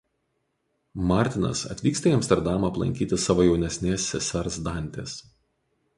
Martinas atvyksta į Amsterdamą aplankyti savo jaunesnės sesers Dantės.